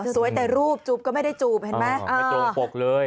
แต่รูปจูบก็ไม่ได้จูบเห็นไหมไม่ตรงปกเลย